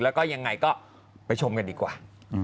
แล้วก็ยังไงก็ไปชมกันดีกว่า